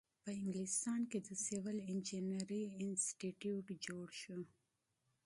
په انګلستان کې د سیول انجینری انسټیټیوټ جوړ شو.